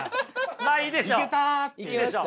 まあいいでしょう。